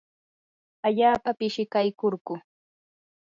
allaapa pishikaykurquu.